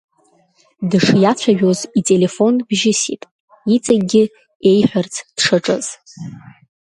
Дышиацәажәоз ителефон бжьысит, иҵегьгьы еиҳәарц дшаҿыз.